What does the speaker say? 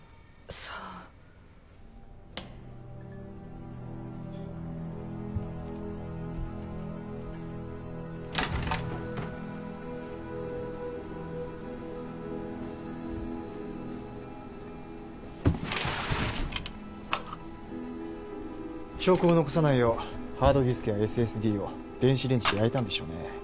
さあ証拠を残さないようハードディスクやＳＳＤを電子レンジで焼いたんでしょうね